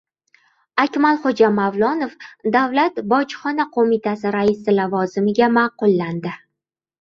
Akmalxo‘ja Mavlonov Davlat bojxona qo‘mitasi raisi lavozimiga ma’qullandi